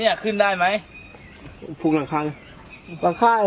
เนี้ยขึ้นได้ไหมพุกหลังไข่หลังไข่เหรอ